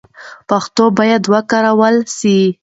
پښتو باید وکارول سي.